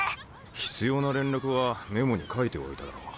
必要な連絡はメモに書いておいたろ。